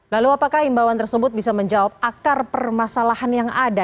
lalu apakah imbauan tersebut bisa menjawab akar permasalahan yang ada